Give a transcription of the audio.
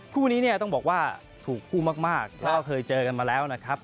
คู่นี้เนี่ยต้องบอกว่าถูกคู่มากเพราะเคยเจอกันมาแล้วนะครับ